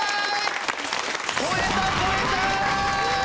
超えた超えた！